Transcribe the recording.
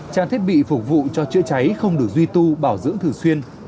trang thiết bị phục vụ cho chữa cháy không được duy tu bảo dưỡng thường xuyên